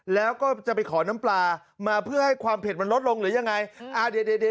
แล้วก็จะไปขอน้ำปลามาเพื่อให้ความเผ็ดมันลดลงหรือยังไงเดี๋ยว